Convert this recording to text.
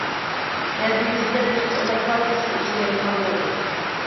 نەتىجىدە دېھقانلار پاكىز سۇ ئىچەلەيدىغان بولدى.